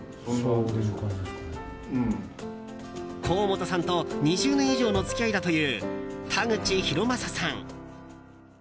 甲本さんと２０年以上の付き合いだという田口浩正さん。